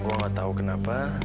gue gak tau kenapa